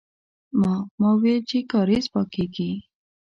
ما، ما ويل چې کارېز پاکيږي.